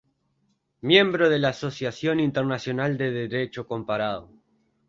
Miembro de la Asociación Internacional de Derecho Comparado.